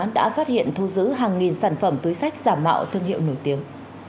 đã phát hiện thu giữ hàng nghìn sản phẩm túi sách giả mạo thương hiệu nổi tiếng